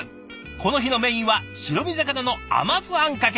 この日のメインは白身魚の甘酢あんかけ。